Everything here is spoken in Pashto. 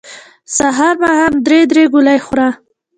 سحر ماښام درې درې ګولۍ خوره